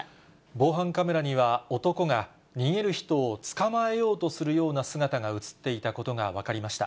防犯カメラには、男が逃げる人を捕まえようとするような姿が写っていたことが分かりました。